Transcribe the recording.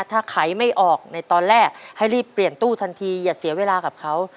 ถ้าขายไม่ออกในตอนแรกให้รีบเปลี่ยนตู้ทันทีอย่าเสียเวลากับเขา